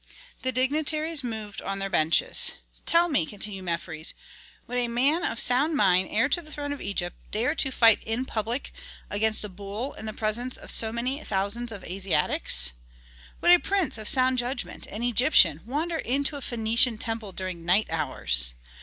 The dignitaries moved on their benches. "Tell me," continued Mefres, "would a man of sound mind, heir to the throne of Egypt, dare to fight in public against a bull in presence of so many thousands of Asiatics? Would a prince of sound judgment, an Egyptian, wander into a Phœnician temple during night hours?